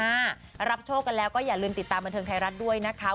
รับโชคกันแล้วก็อย่าลืมติดตามบันเทิงไทยรัฐด้วยนะคะ